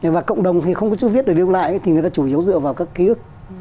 và cộng đồng thì không có chữ viết để lưu lại thì người ta chủ yếu dựa vào các ký ức